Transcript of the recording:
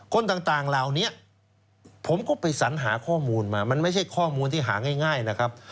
คนต่างเหล่านี้ผมก็ไปสัญหาข้อมูลมามันไม่ใช่ข้อมูลที่หาง่ายนะครับ